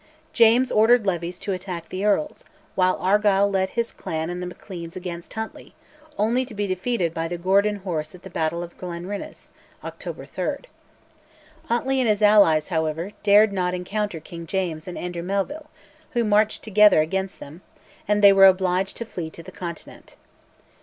James ordered levies to attack the earls, while Argyll led his clan and the Macleans against Huntly, only to be defeated by the Gordon horse at the battle of Glenrinnes (October 3). Huntly and his allies, however, dared not encounter King James and Andrew Melville, who marched together against them, and they were obliged to fly to the Continent.